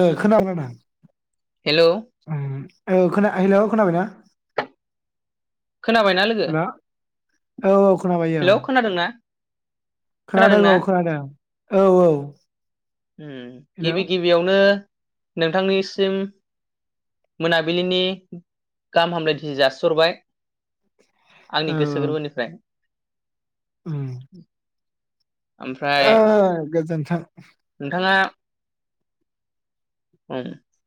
ओ खोना हेलौ [unintelligible] उम ओ खोना हिलौ खोनाबाय ना खोनाबायना लोगो औ खोनाबाय औ हेलौ खोनादोंना खोनादों खोनादोंना औ खोनादों औ औ उम औ गिबि गिबियावनो नोंथांनिसिम मोनाबिलिनि गाहाम हामलायथि जासि हरबाय आंनि गोसो गोरबोनिफ्राय उम [inaudible] ओमफ्राय ओ गोजोन्थों [unintelligible]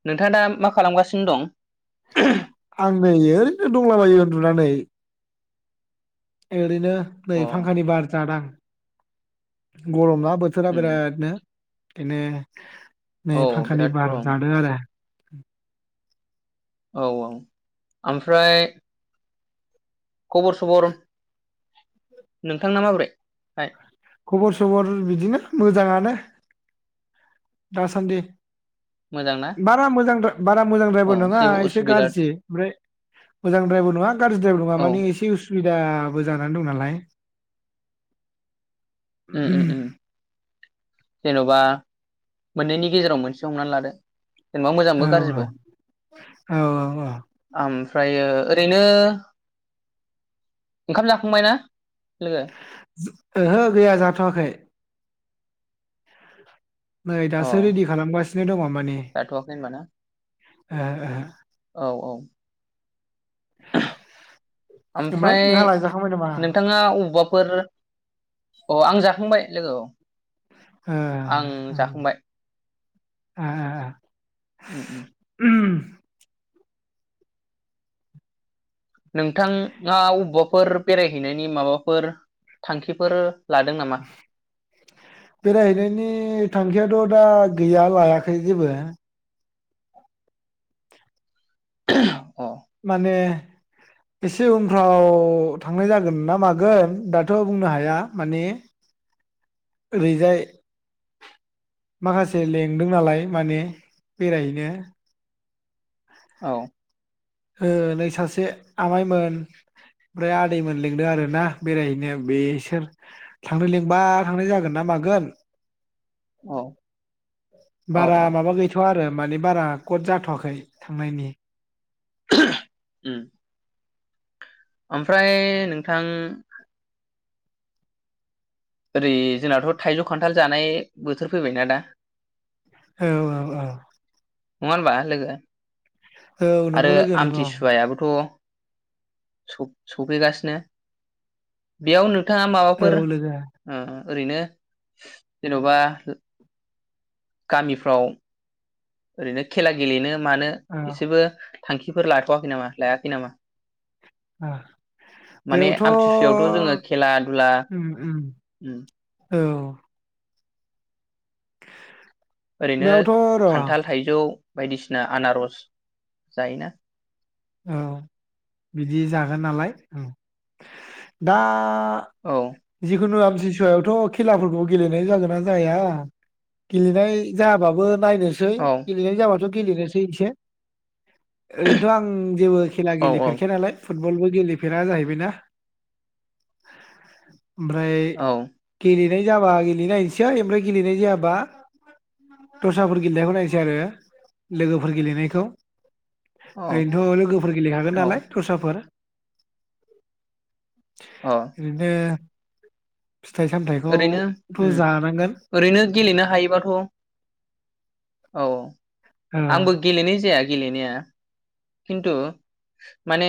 नोंथाङा दा मा खालामगासिनो दं आं नै ओरैनो दंलाबायो उन्दुनानै ओरैनो नै अ फांखानि बार जाना गरम ना बोथोरा उम बिरादनो बिदिनो नै औ फांखानि बिराद बार गरम जादों आरो [inaudible] औ औ ओमफ्राय खबर सबर नोंथांना माबोरै हाय खबर सबर बिदिनो मोजाङानो दासानदि मोजां ना बारा मोजां दा बारा मोजां द्राइबो अ नङा जेबो एसे उसुबिदा गाज्रि ओमफ्राय मोजां द्राइबो नङा गाज्रि द्राइबो नङा औ माने एसे अ सुबिदाबो जानानै दं नालाय औ उ उ उ जेन'बा मोननैनि गेजेराव मोनसे हमनानै लादो जेनेबा मोजांबो औ गाज्रिबो उम औ ओमफ्रायो ओरैनो ओंखाम जाखांबाय ना लोगो ओहो गैया जाथ'वाखै नै अ दासो रेडि खालामगासिनो दङ माने जाथ'वाखै होनबा ना ओहो ओहो औ औ ओमफ्राय नोंहालाय जाखांबाय नामा? नोंथाङा अबावबाफोर अ आं जाखांबाय लोगौ एहहह उम एह एह उम उम एह उम [inaudible] नोंथाङा अबेबाफोर बेरायहैनायनि माबाफोर थांखिफोर लादों नामा बेरायहैनायनि थांखिया थ' दा गैया लायाखै जेबो। [inaudible] माने एसे उनफ्राव थांनाय जागोन ना मागोन दाथ' बुंनो हाया माने ओरैजाय माखासे लेंदों नालाय माने बेरायहैनो। औ। ओ नै सासे आमाइमोन ओमफ्राय आदैमोन लिंदों आरोना बेरायहैनो बेसोर थांनो लिंबा थांनाय जागोन ना मागोन औ बारा औ माबा गैथ'वा आरो मानि बारा कद जाथ'वाखै थांनायनि [unintelligible] उम। ओमफ्राय नोंथां ओरै जोंनाथ' थाइजौ, खान्थाल जानाय बोथोर फैबायना दा औ औ औ। नङा होनबा लोगो। औ आरो नंगौ लोगो नंगौ आमथिसुवायाबोथ' स सफैगासिनो बेयाव नों थाङा औ माबाफोर लोगो ओम ओरैनो जेन'बा गामिफ्राव ओरैनो खेला गेलेनो मानो औ एसेबो थांखिफोर लाथ'वाखै नामा लायाखै नामा? औ माने बेयावथ' आमथिसुयावथ' जोङो खेला दुला उम उम औ। ओरैनो बेयावथ' र' औ खान्थाल, थाइजौ बायदिसिना आनारस जायोना। औ बिदि जागोन नालाय दा। दा औ जिखुनु आमथिसुवायावथ' खेलाफोरखौ गेलेनाय जागोन ना जाया गेलेनाय जायाबाबो नायनोसै औ गेलेनाय जाबाथ' गेलेनोसै इसे ओरैनोथ' आं जेबो खेला औ औ गेलेफेरखाया नालाय फुटबलबो गेलेफेरा जाहैबायना। ओमफ्राय [unintelligible] औ लेनाय गेलेनाय जाबा गेलनायनोसै ओमफ्राय गेलेनाय जाबा दस्राफोर गेलेनायखौ नायनोसै आरो लोगोफोर गेलेनायखौ औ ओरैनोथ' लोगोफोर गेलेखागोन औ नालाय दस्राफोर औ बिदनो ओरैनो उम जानांगोन ओरैनो गेलेनो हायोबाथ' औ औ आंबो गेलेनाय जाया गेलेनाया खिन्थु माने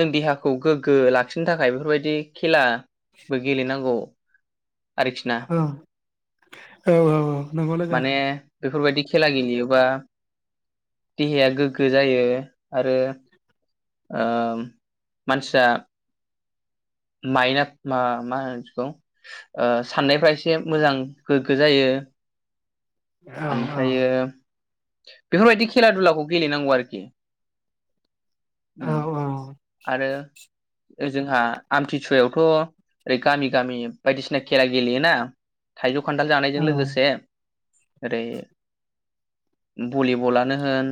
जों देहाखौ गोग्गो लाखिनो थाखाय बेफोरबायदि खेलाबो गेलेनांगौ आरोखिना। औ औ औ औ नंगौ लोगो माने बेफोरबायदि खेला गेलेयोबा देहाया गोग्गो जायो आरो ओम मानसिया माइना मा मा होनो बिदिखौ ओ साननायफ्रा एसे मोजां गोग्गो जायो। औ ओमफ्रायो औ बेफोरबायदि खेला दुलाखौ गेलेनांगौ आरोखि। औ औ ओ जोंहा आमथिसुवायावथ' ओरै गामि गामि बायदिसिना खेला गेलेयोना थाइजौ खान्थाल जानायजों लोगोसे ओरै भलिबलानो होन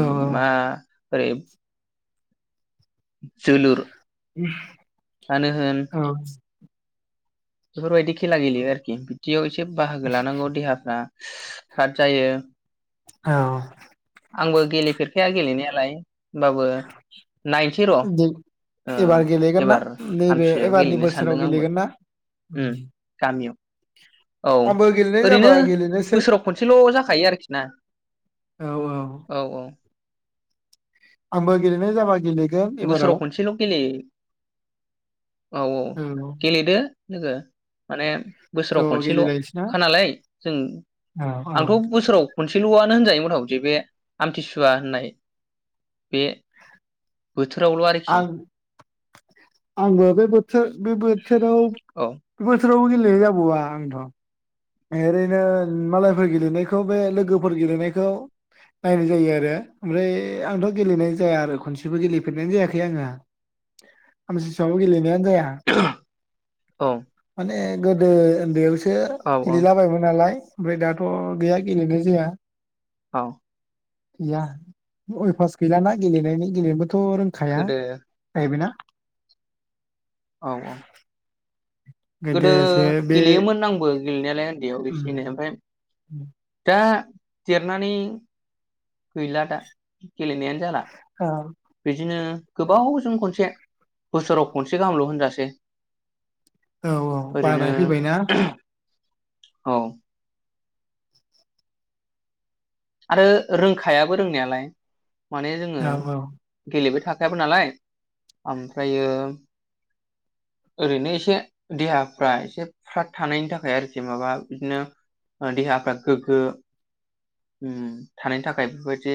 औ औ मा [unintelligible] जोलुर आनो होन बेफोरबायदि खेला गेलेयो आरोखि बिदियाव से बाहागो‌ लानांगौ देहाफ्रा फ्राद जायो आंबो गेलेे फेरखाया गेलेनाया लाय होमबाबो नाय [unintelligible] ओ एबार गेलेगोन ना एबार नैबे आमथिसुवायाव एबारनि गेलेनो बोसोराव सानदों आंबो गेलेगोन ना उम गामियाव औ आंबो गेलेनाय जाबा ओरैनो गेलेनोसै बोसोराव खनसेल' जाखायो आरोखि ना औ औ। आंबो गेलेनाय जाबाय गेले बोसोराव खनसेल' गेले औ औ औ गेलेदो। लोगो माने ज' बोसोराव गेलेलायनोसै ना खनसेल'खा नालाय जों आंथ' आं बोसोराव मोनसेल'आनो होनजायो मुथा मुथि बे आमथिसुवा होननाय बे बोथोरावल' आरोखि। आंबो बे बो थोर बे बोथोराव औ बोथोरावबो गेले जाबावा आंथ' ओरैनो मालायफोर गेलेनायखौ बे लोगोफोर गेलेनायखौ नायनाय जायो आरो ओमफ्राय आंथ' गेलेनाय जाया आरो खनसेबो गेलेफेरनाय जायाखै आङो आमथिसुवावबो गेलेनाय जाया औ माने गोदो ओन्दैआव एसे बे औ औ गेलेलाबायमोन नालाय ओमफ्राय दाथ' गैया गेलेनाय जाया औ गैया अय फास गैलाना गेलेनायनि गेलेनोबो थ' रोंखाया गोदो जाहैबायना औ औ गोदो गोदोसो बे गेलेयोमोन आंबो गेलेनायालाय उन्दैयाव एसे एनै उम ओमफाय [inaudible] दा देरनानै गैला दा गेलेनायानो जाला औ बिदिनो गोबावजों खनसे बोसोराव खनसे गाहामल' होनजासै औ औ ओरैनो बानाय फैबायना औ आरो रोंखायाबो रोंनायालाय माने जोङो औ औ गेलेबाय थाख खायाबो नालाय ओमफ्रायो ओरैनो एसे देहाफ्रा एसे फ्राद थानायनि थाखाय आरोखि माबा बिदिनो देहाफ्रा गोग्गो ओम थानायनि थाखाय बेफोरबायदि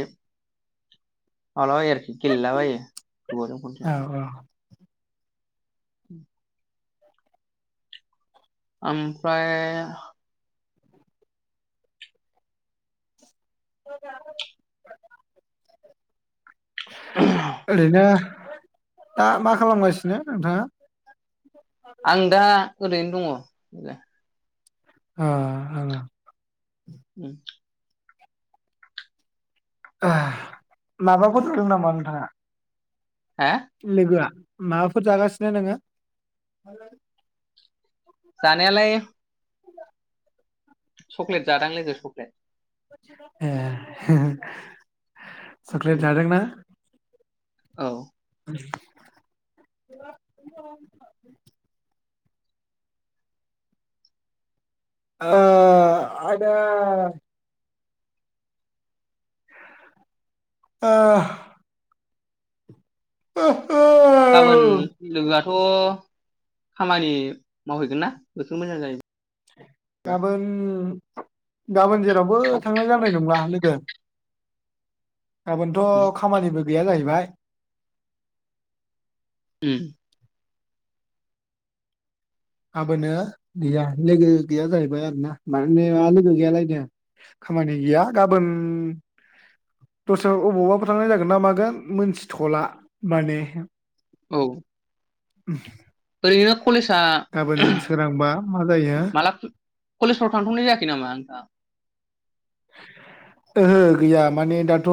मालाबायो आरोखि गेलेलाबायो गोबावजों खनसे औ औ [unintelligible] ओमफ्राय [unintelligible] ओरैनो दा मा खालामगासिनो नोंथाङा? आं दा ओरैनो दङ ओ ओ उम ए माबाखौ नुदों नामा नोंथाङा? हा लोगोआ माबाफोर जागासिनो नोङो? जानायालाय चक्लेट जादां लोगो चक्लेट ए [unintelligible] सकलेट उम जादों ना औ [unintelligible] आ आदा आ आ गाबोन लोगो थ' खामानि मावहैगोन ना बेखौ मोजां जाहैबाय गाबोन गाबोन जेरावबो थांनाय जानाय नंला लोगो उम गाबोनथ' खामानिबो गैया जाहैबाय उम गाबोनो गैया लोगो गैया जाहैबाय आरोना माने लोगो गैयालाय नो खामानि गैया गाबोन दस्रा अबावबाबो थांनाय जागोन ना मागोन मोनथिथ'ला माने औ उम [unintelligible] गाबोन सोरांबा मा जायो माला कलेजफ्राव थांथ'नाय जायाखै नामा नोंथां ओहो गैया माने दाथ'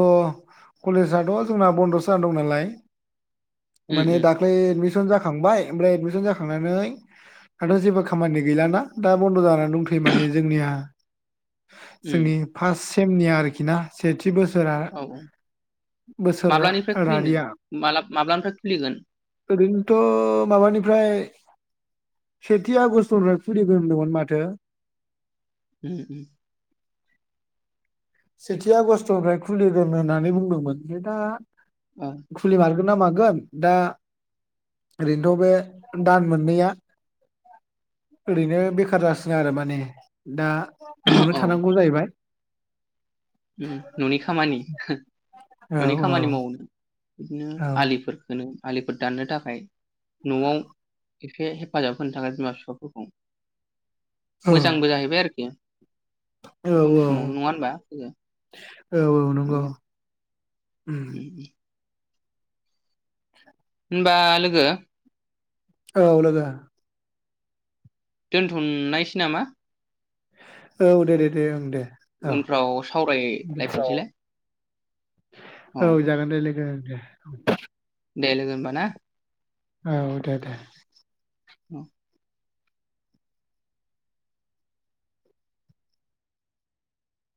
कलेजआथ' जोंना बनद'सो जानानै दं नालाय उम माने उम दाख्लै एदमि सन जाखांबाय ओमफ्राय एदमिसन जाखांनानै दाथ' जेबो खामानि गैलाना दा बनद' जानानै दंथयो माने जोंनिया उम जोंनि सेमनिया आरोखि ना सेथि बोसोरा औ माब्लानिफ्राय खुलिनो बोसोरारिया माला माब्लानिफ्राय खुलिगोन ओरैनोथ' माबानिफ्राय सेथि आगस्टनिफ्राय खोलिगोन होनदोंमोन माथो उम उम सेथि आगष्टनिफ्राय खुलिगोन होननानै बुंदोंमोन ओमफ्राय दा खुलि मार गोन ना मागोन दा ओरैनोथ' बे दान मोननैया ओरैनो बेखार जासिन आरो माने दा न'आवनो औ थानांगौ जाहैबाय उम न'नि खामानि औ न'नि खामानि मावनो बिदिनो औ आलिफोरखोनो आलिफोर दाननो थाखाय न'आव एसे हेफाजाब होनो थाखाय बिमा बिफाफोरखौ औ मोजांबो जाहैबाय आरोखि औ जिखुनु समाव नङा औ होनबा लोगो? [inaudible] औ औ नंगौ। उम उम होनबा लोगो औ लोगो दोन्थ'नायसै नामा? औ दे दे दे ओं दे। औ उनफ्राव दे सावरायलायफिनसैलाय औ। जागोन दे लोगो ओं दे देे लोगो होनबा ना। औ दे दे औ